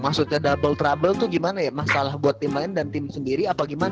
maksudnya double trouble tuh gimana ya masalah buat tim lain dan tim sendiri apa gimana